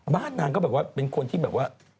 นางก็แบบว่าเป็นคนที่แบบว่า